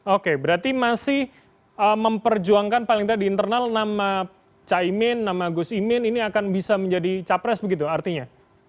oke berarti masih memperjuangkan paling tidak di internal nama caimin nama gus imin ini akan bisa menjadi capres begitu artinya